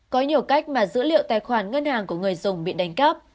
có nhiều cách mà dữ liệu tài khoản ngân hàng của người dùng bị đánh cắp